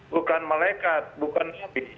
bukan melekat bukan nabi